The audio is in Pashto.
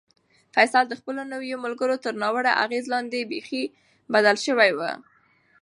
فیصل د خپلو نویو ملګرو تر ناوړه اغېز لاندې بیخي بدل شوی و.